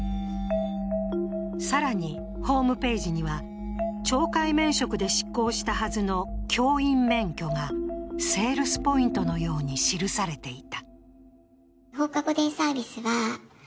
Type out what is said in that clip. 更にホームページには、懲戒免職で失効したはずの教員免許がセールスポイントのように記されていた。